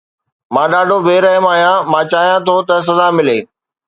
مان ڏاڍو بي رحم آهيان، مان چاهيان ٿو ته سزا ملي